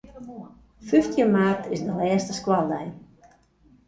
Fyftjin maart is de lêste skoaldei.